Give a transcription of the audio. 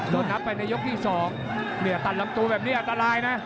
โดนนับไปในยกที่๒ตัดลำตัวแบบนี้อันตรายนะ